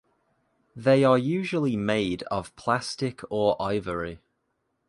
They are usually made of plastic or ivory.